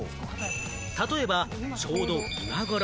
例えば、ちょうど今頃。